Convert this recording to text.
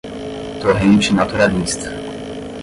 torrente naturalista